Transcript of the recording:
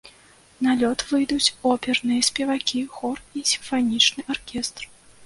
На лёд выйдуць оперныя спевакі, хор і сімфанічны аркестр.